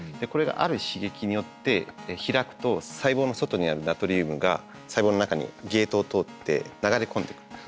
これがある刺激によって開くと細胞の外にあるナトリウムが細胞の中にゲートを通って流れ込んでくる。